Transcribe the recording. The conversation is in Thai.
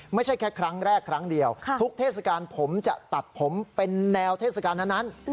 ไม่ใช่แค่ครั้งแรกครั้งเดียวทุกเทศกาลผมจะตัดผมเป็นแนวเทศกาลนั้น